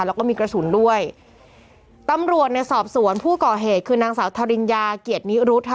แล้วก็มีกระสุนด้วยตำรวจเนี่ยสอบสวนผู้ก่อเหตุคือนางสาวทริญญาเกียรตินิรุธค่ะ